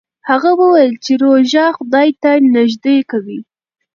هغه وویل چې روژه خدای ته نژدې کوي.